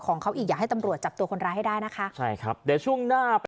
เป็นกับคนที่มาขโมยมันคงเจอกันสักวัน